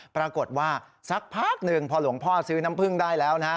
ปรากฏว่าสักพักหนึ่งพอหลวงพ่อซื้อน้ำผึ้งได้แล้วนะฮะ